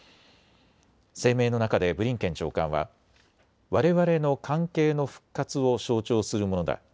声明の中でブリンケン長官はわれわれの関係の復活を象徴するものだ。